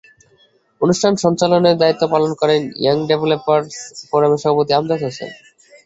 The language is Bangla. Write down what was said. অনুষ্ঠান সঞ্চালনের দায়িত্ব পালন করেন ইয়াং ডেভেলপারস ফোরামের সভাপতি আমজাদ হোসেন।